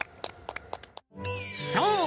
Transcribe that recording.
そう！